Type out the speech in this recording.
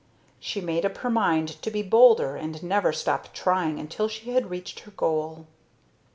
She made up her mind to be bolder and never stop trying until she had reached her goal.